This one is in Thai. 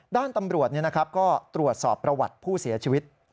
ด้านตำรวจก็ตรวจสอบประวัติผู้เสียชีวิต